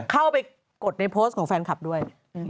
เข้าไปกดในโพสต์ของแฟนคลับด้วย